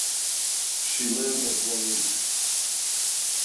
She lived at La Ruche.